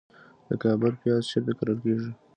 د کابل پیاز چیرته کرل کیږي؟